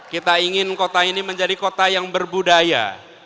kita ingin kota ini menjadi kota yang berbudaya